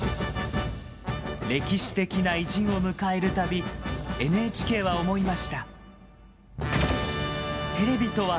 歴史的な偉人を迎えるたび、ＮＨＫは思いました。